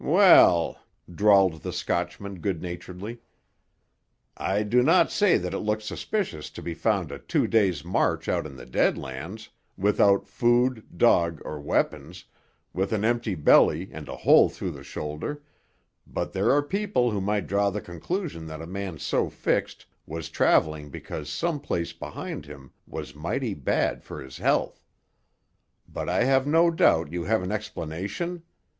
"Well," drawled the Scotchman good naturedly, "I do not say that it looks suspicious to be found a two days' march out in the Dead Lands, without food, dog, or weapons, with an empty belly and a hole through the shoulder, but there are people who might draw the conclusion that a man so fixed was travelling because some place behind him was mighty bad for his health. But I have no doubt you have an explanation?